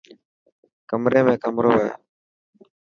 ڪمري ۾ ڪمرو هي.